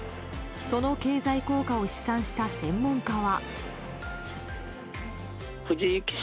その経済効果を試算した専門家は。